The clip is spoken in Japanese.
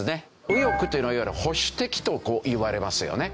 右翼というのはいわゆる保守的といわれますよね。